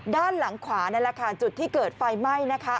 ด้านหลังขวานั่นแหละค่ะจุดที่เกิดไฟไหม้นะคะ